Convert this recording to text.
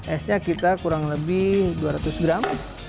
esnya kita kurang lebih dua ratus gram